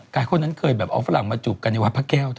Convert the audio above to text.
ใครคนนั้นเกิดเอาฝรั่งมาจูบกัฎิวะพระแก้วเธอ